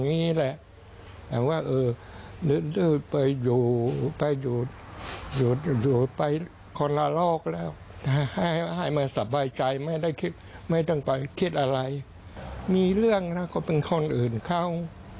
มีเรื่องเขาก็เป็นคนอื่นเขา